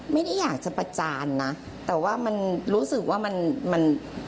ไม่ได้อยากจะประจานนะแต่ว่ามันรู้สึกว่ามันมัน